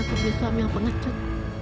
aku sudah suami yang pengecut